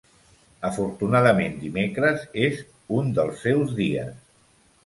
Afortunadament dimecres és un dels seus dies.